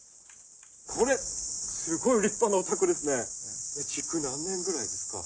これすっごい立派なお宅ですね。